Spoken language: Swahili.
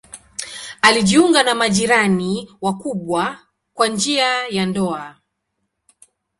Alijiunga na majirani wakubwa kwa njia ya ndoa.